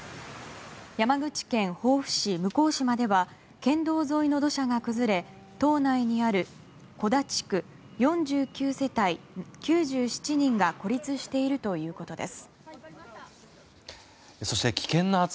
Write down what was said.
山口県防府市向島では県道沿いの土砂が崩れ島内にある小田地区４９世帯９７人が孤立しているということです。